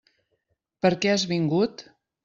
Per què has vingut?